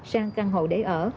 sang căn hộ để ở